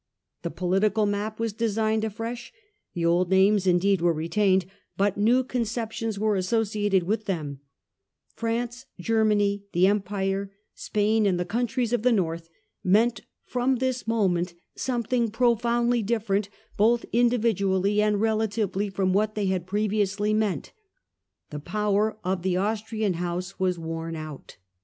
The political map was designed afresh ; the old names indeed were retained, but new conceptions were asso ciated with them ; France, Germany, the Empire, Spain, and the countries of the North, meant from this moment something profoundly different, both individually and relatively, from what they had previously mean.t. The power of the Austrian house was worn out.